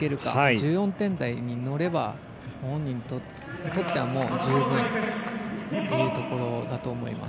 １４点台に乗れば本人にとっては十分というところだと思います。